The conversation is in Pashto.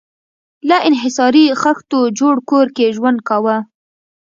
له انحصاري خښتو جوړ کور کې ژوند کاوه.